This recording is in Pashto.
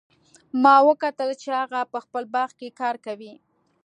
ما وکتل چې هغه په خپل باغ کې کار کوي